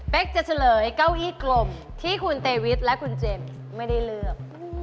เป็นจะเฉลยเก้าอี้กลมที่คุณเตวิทและคุณเจมส์ไม่ได้เลือก